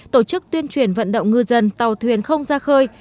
tổ chức tuyên truyền vận động ngư dân tàu thuyền không ra khơi